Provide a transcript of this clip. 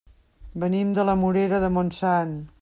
Venim de la Morera de Montsant.